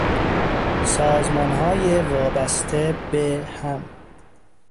سازمانهای وابسته به هم